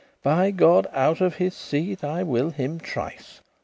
By God, out of his seat I will him trice!